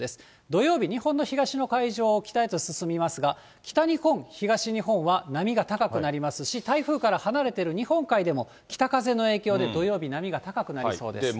土曜日、日本の東の海上を北へと進みますが、北日本、東日本は波が高くなりますし、台風から離れてる日本海でも北風の影響で土曜日、波が高くなりそうです。